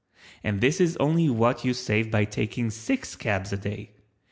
And this is only what you save by taking six cabs a day.